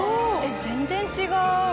全然違う。